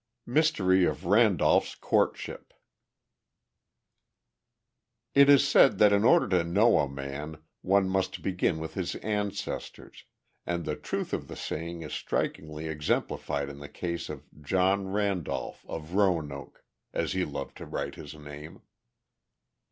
The Mystery of Randolph's Courtship It is said that in order to know a man, one must begin with his ancestors, and the truth of the saying is strikingly exemplified in the case of "John Randolph of Roanoke," as he loved to write his name.